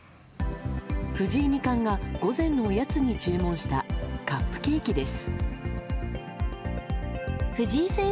藤井二冠が午前のおやつに注文したカップケーキです。